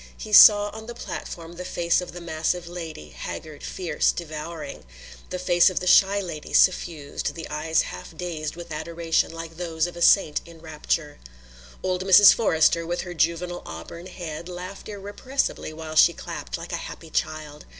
He saw on the platform the face of the massive lady, haggard, fierce, devouring; the face of the shy lady, suffused, the eyes half dazed with adoration like those of a saint in rapture. Old Mrs. Forrester, with her juvenile auburn head, laughed irrepressibly while she clapped, like a happy child.